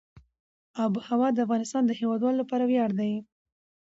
آب وهوا د افغانستان د هیوادوالو لپاره ویاړ دی.